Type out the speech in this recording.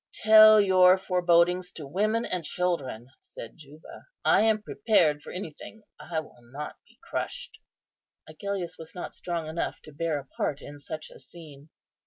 "Tell your forebodings to women and children," said Juba; "I am prepared for anything. I will not be crushed." Agellius was not strong enough to bear a part in such a scene.